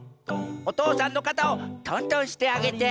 おとうさんのかたをとんとんしてあげて。